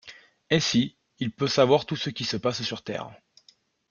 Ainsi, il peut savoir tout ce qui se passe sur Terre.